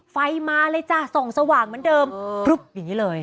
ไฟมาเลยจ้ะส่องสว่างเหมือนเดิมพลึบอย่างนี้เลย